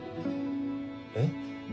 えっ？